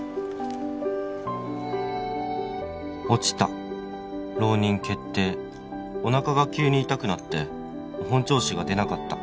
「落ちた浪人決定」「おなかが急に痛くなって本調子が出なかった」